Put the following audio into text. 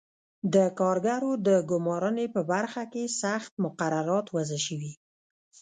د کارګرو د ګومارنې په برخه کې سخت مقررات وضع شوي.